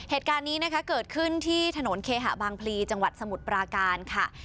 เหตุการณ์นี้นะคะเกิดขึ้นที่ถนนเคหะบางพลีจังหวัดสมุทรปราการค่ะ